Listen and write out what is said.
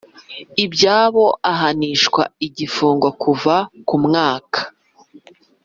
Ibyabo ahanishwa igifungo kuva ku mwaka